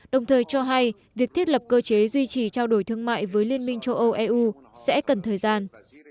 đồng thời cho hay việc thiết lập cơ chế duy trì trao đổi thương mại với liên minh châu âu eu sẽ cần thời gian